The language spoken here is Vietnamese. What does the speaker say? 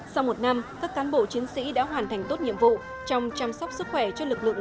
sau một năm các cán bộ chiến sĩ đã hoàn thành tốt nhiệm vụ trong chăm sóc sức khỏe cho lực lượng